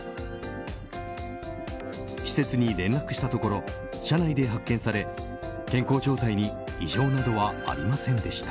施設に連絡したところ車内で発見され健康状態に異常などはありませんでした。